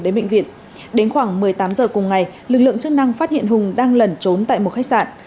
đến bệnh viện đến khoảng một mươi tám h cùng ngày lực lượng chức năng phát hiện hùng đang lẩn trốn tại một khách sạn